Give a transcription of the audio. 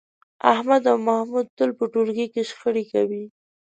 احمد او محمود تل په ټولګي کې شخړې کوي.